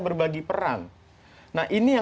berbagi peran nah ini yang